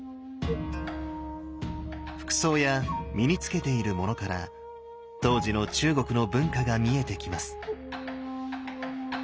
服装や身に着けているものから当時の中国の文化が見えてきます。